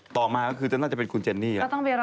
ต่อมาก็คือมันก็น่าจะเป็นคุณเจนนี่